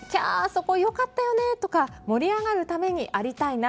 そこ良かったよねとか盛り上がるためにありたいな。